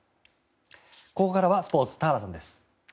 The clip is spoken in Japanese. ここからはスポーツ田原さんです。